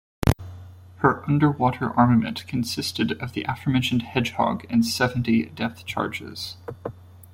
Her underwater armament consisted of the aforementioned Hedgehog and seventy depth charges.